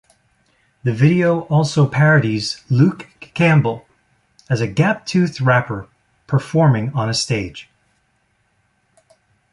The video also parodies Luke Campbell as a gap-toothed rapper performing on a stage.